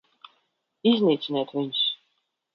Iznīciniet viņus!